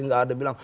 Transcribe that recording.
tidak ada bilang